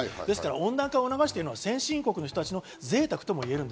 温暖化を促しているのは先進国の人たちのぜいたくともいえる。